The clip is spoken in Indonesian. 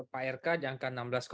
pak rk jangka enam belas